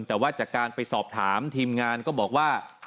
แต่ว่าจากการไปสอบถามทีมงานก็บอกว่า